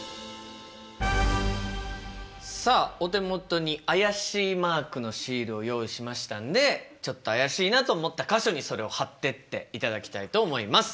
さあお手元に怪しいマークのシールを用意しましたんでちょっと怪しいなと思った箇所にそれを貼ってっていただきたいと思います。